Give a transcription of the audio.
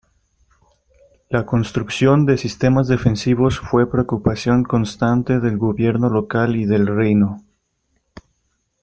La construcción de sistemas defensivos fue preocupación constante del gobierno local y del reino.